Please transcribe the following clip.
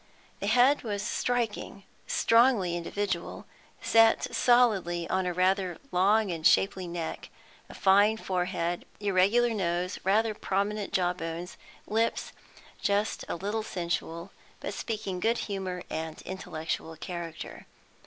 The head was striking, strongly individual, set solidly on a rather long and shapely neck; a fine forehead, irregular nose, rather prominent jaw bones, lips just a little sensual, but speaking good humour and intellectual character.